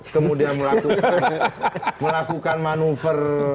kemudian melakukan manuver